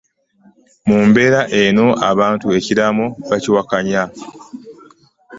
Mu mbeera eno, abantu ekiraamo bakiwakanya.